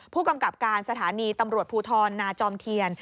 ผู้กำกับการสถานีตำรวจภูทรนาจอมเทียน